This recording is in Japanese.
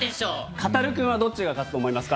カタルくんはどっちが勝つと思いますか？